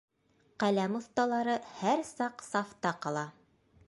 Ҡәләм оҫталары һәр саҡ сафта ҡала.